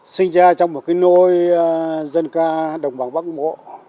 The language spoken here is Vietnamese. sinh ra trong một cái nôi dân ca đồng bằng bắc bộ